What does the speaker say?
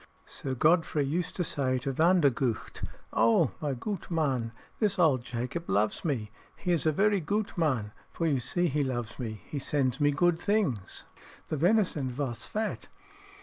Sir Godfrey used to say to Vandergucht, "Oh, my goot man, this old Jacob loves me. He is a very goot man, for you see he loves me, he sends me goot things. The venison vos fat."